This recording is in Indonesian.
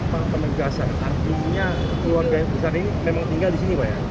pak penegasan artinya keluarga yang besar ini memang tinggal di sini pak ya